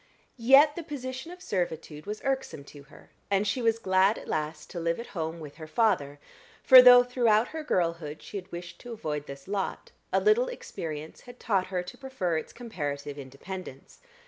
Yet the position of servitude was irksome to her, and she was glad at last to live at home with her father, for though, throughout her girlhood, she had wished to avoid this lot, a little experience had taught her to prefer its comparative independence.